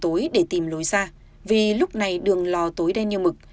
anh đội không biết để tìm lối ra vì lúc này đường lò tối đen như mực